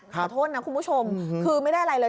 ขอโทษนะคุณผู้ชมคือไม่ได้อะไรเลย